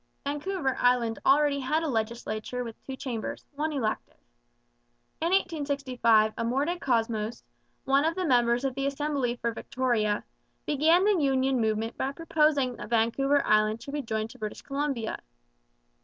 Vancouver Island already had a legislature with two chambers, one elective. In 1865 Amor DeCosmos, one of the members of the Assembly for Victoria, began the union movement by proposing that Vancouver Island should be joined to British Columbia.